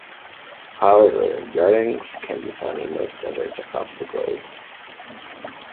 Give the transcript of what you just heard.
However, yardangs can be found in most deserts across the globe.